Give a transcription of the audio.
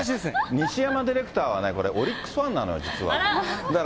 西山ディレクターはね、オリックスファンなのよ、実は。